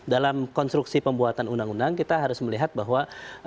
dalam konstruksi pembuatan undang undang kita harus melihat bahwa